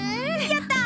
やった！